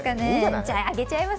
じゃ、上げちゃいます。